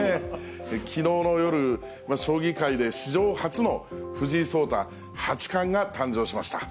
きのうの夜、将棋界で史上初の藤井聡太八冠が誕生しました。